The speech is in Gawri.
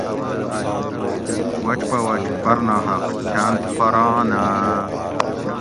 وچ پہ وچ برناحق کھاۤنت قرآنہ